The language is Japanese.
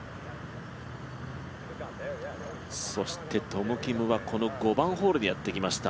そしてトム・キムは５番ホールにやってきました。